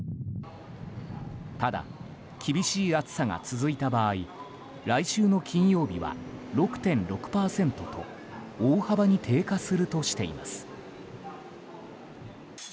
ただ、厳しい暑さが続いた場合来週の金曜日は６．６％と大幅に低下するとしています。